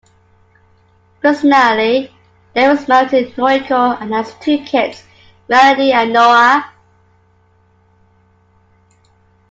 Personally, David is married to Noriko and has two kids, Melody and Noah.